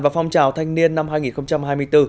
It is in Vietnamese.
và phong trào thanh niên năm hai nghìn hai mươi bốn